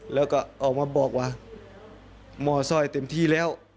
แล้วก็ออกมาบอกว่าหมอสร้อยเต็มที่แล้ว